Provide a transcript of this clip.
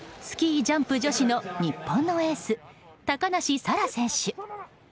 スキージャンプ女子の日本のエース、高梨沙羅選手。